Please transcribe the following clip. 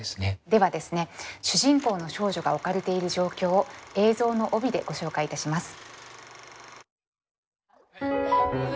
ではですね主人公の少女が置かれている状況を映像の帯でご紹介いたします。